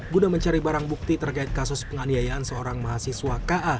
guna mencari barang bukti terkait kasus penganiayaan seorang mahasiswa ka